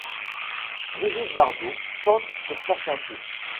Brigitte Bardot chante sur certains titres.